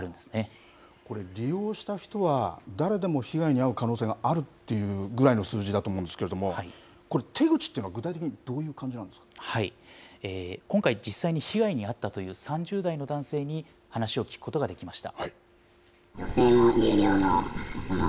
これ、利用した人は誰でも被害に遭う可能性があるというぐらいの数字だと思うんですけれども、これ、手口っていうのは具体的にどういう今回実際に被害に遭ったという３０代の男性に話を聞くことができました。